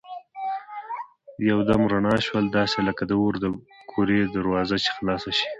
یو دم رڼا شول داسې لکه د اور د کورې دروازه چي خلاصه شي.